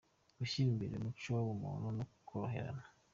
– Gushyira imbere umuco w’ubumuntu no koroherana